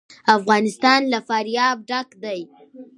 افغانستان له فاریاب ډک دی.